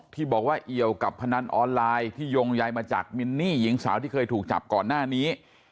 ที่บอกว่าเอี่ยวกับพนันออนไลน์ที่ยงใยมาจากมินนี่หญิงสาวที่เคยถูกจับก่อนหน้านี้